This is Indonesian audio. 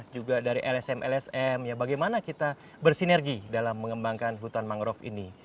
juga dari lsm lsm bagaimana kita bersinergi dalam mengembangkan hutan mangrove ini